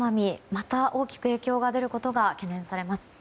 また大きく影響が出ることが懸念されます。